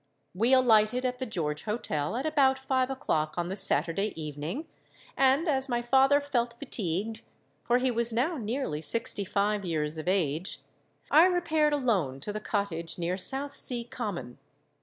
We alighted at the George Hotel at about five o'clock on the Saturday evening; and, as my father felt fatigued,—for he was now nearly sixty five years of age,—I repaired alone to the cottage near South sea Common.